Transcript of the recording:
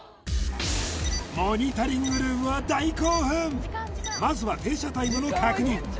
モニタリングルームは大興奮まずは停車タイムの確認